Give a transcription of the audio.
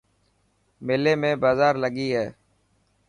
ميلي ۾ بازار لگي هي.